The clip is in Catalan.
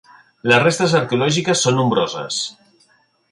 Les restes arqueològiques són nombroses.